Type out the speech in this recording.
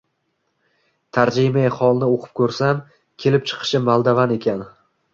Tarjimai holini o‘qib ko‘rsam, kelib chiqishi Moldovadan ekan.